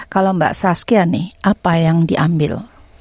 kalau mbak saskia nih apa yang diambil